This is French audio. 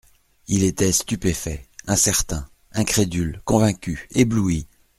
Il était stupéfait, incertain, incrédule, convaincu, ébloui.